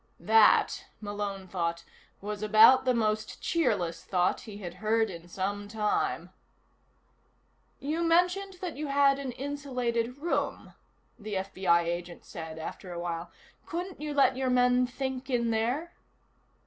That, Malone thought, was about the most cheerless thought he had heard in sometime. "You mentioned that you had an insulated room," the FBI agent said after a while. "Couldn't you let your men think in there?"